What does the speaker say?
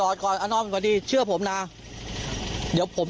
ลองข้ามตำรวจสู่น้องยกต้น